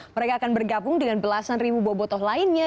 mereka akan bergabung dengan belasan ribu bobotoh lainnya